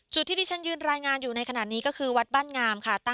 จุดที่ที่ฉันยืนรายงานอยู่ในขณะนี้ก็คือวัดบ้านงามค่ะ